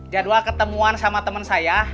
jadwal ketemuan sama teman saya